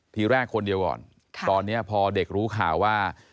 ทีแรกคนเดียวก่อนตอนนี้พอเด็กรู้ข่าวว่า